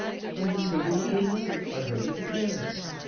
In the middle of the night, I heard it again.